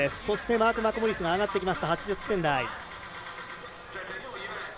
そして、マーク・マクモリスが上がってきました、８０点台。